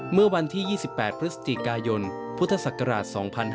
เมื่อวันที่๒๘พฤศจิกายนพุทธศักราช๒๕๕๙